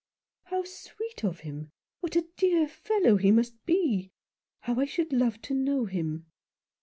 " How sweet of him ! What a dear fellow he must be ! How I should love to know him."